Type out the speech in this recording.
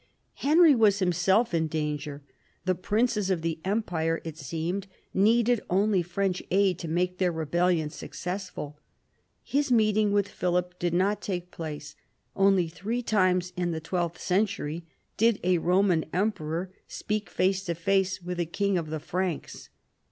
Henry was himself in danger ; the princes of the Empire, it seemed, needed only French aid to make their rebellion successful. His meeting with Philip did not take place : only three times in the twelfth century did a Eoman emperor speak face to face with a king of the Franks.